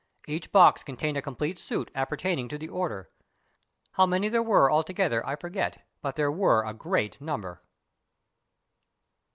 Each box contained a complete suit appertaining to the order; how many there were altogether I forget, but there were a great number.